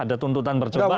ada tuntutan percobaan